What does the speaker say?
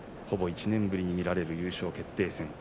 ほぼ１年ぶりに見られる優勝決定戦。